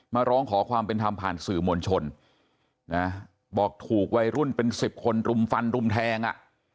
มาร้องขอความเป็นธรรมผ่านสื่อมวลชนนะบอกถูกวัยรุ่นเป็นสิบคนรุมฟันรุมแทงอ่ะ